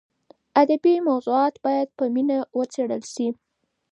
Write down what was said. ادبي موضوعات باید په مینه وڅېړل شي.